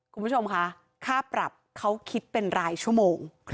คุณผู้ชมค่ะค่าปรับเขาคิดเป็นรายชั่วโมง